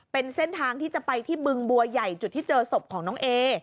เป็นเส้นทางที่จะไปที่บึงบัวใหญ่จุดที่เจอศพของน้องเอ